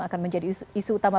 akan menjadi isu utama